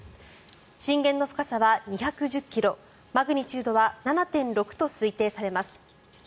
震源の深さは２１０ｋｍマグニチュードは７．６と推定されます。